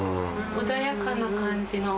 穏やかな感じの。